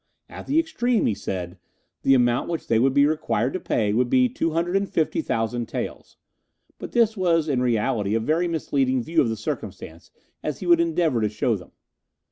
At the extreme, he said, the amount which they would be required to pay would be two hundred and fifty thousand taels; but this was in reality a very misleading view of the circumstance, as he would endeavour to show them.